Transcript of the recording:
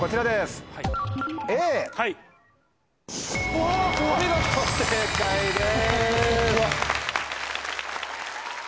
お見事正解です。